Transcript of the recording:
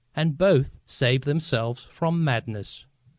And both save themselves from madness.